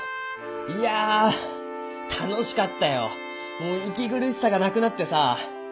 もう息苦しさがなくなってさ。